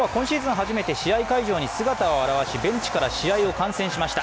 初めて試合会場に姿を現しベンチから試合を観戦しました。